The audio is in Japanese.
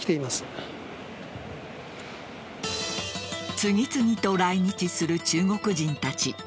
次々と来日する中国人たち。